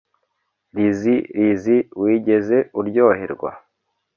Lizzie Lizzie wigeze uryoherwa